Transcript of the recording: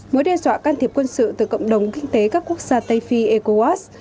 mối đe dọa can thiệp quân sự từ cộng đồng kinh tế các quốc gia tây phi ecowas